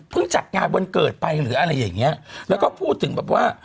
จัดงานวันเกิดไปหรืออะไรอย่างเงี้ยแล้วก็พูดถึงแบบว่า